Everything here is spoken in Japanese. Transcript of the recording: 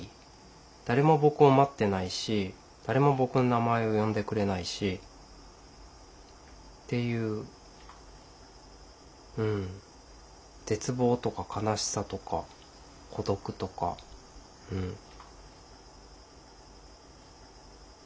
誰も僕を待ってないし誰も僕の名前を呼んでくれないしっていううん絶望とか悲しさとか孤独とかうん。